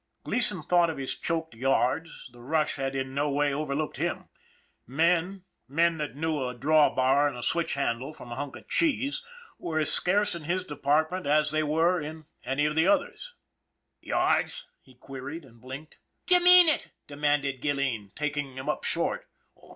Gleason thought of his choked yards the rush had in no way overlooked him. Men, men that knew a draw bar and a switch handle from a hunk of cheese, were as scarce in his department as they were in any of the others. 196 ON THE IRON AT BIG CLOUD " Yards ?" he queried and blinked. " D'y e mean it ?" demanded Gilleen, taking him up short.